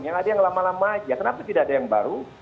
yang ada yang lama lama aja kenapa tidak ada yang baru